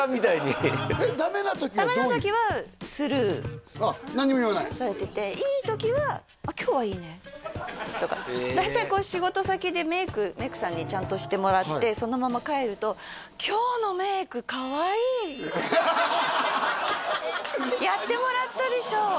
ダメな時はどういうダメな時はスルーあっ何も言わないされてていい時は「今日はいいね！」とか大体仕事先でメイクメイクさんにちゃんとしてもらってそのまま帰ると「やってもらったでしょ？」